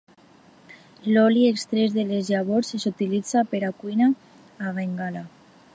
L'oli extret de les llavors és utilitzat per a la cuina a Bengala.